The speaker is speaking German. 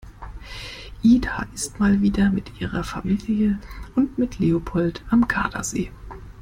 Ida ist mal wieder mit ihrer Familie und mit Leopold am Gardasee.